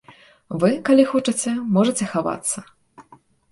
Вы, калі хочаце, можаце хавацца.